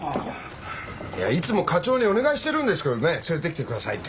いつも課長にお願いしてるんですけどね連れてってくださいって。